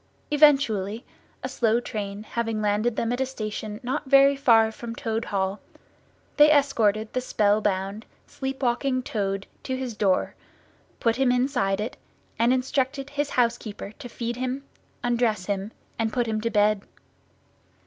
Eventually, a slow train having landed them at a station not very far from Toad Hall, they escorted the spell bound, sleep walking Toad to his door, put him inside it, and instructed his housekeeper to feed him, undress him, and put him to bed.